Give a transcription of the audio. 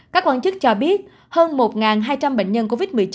các quan chức cho biết hơn một hai trăm linh bệnh nhân covid một mươi chín